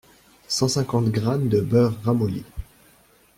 cent cinquante grammes de beurre ramolli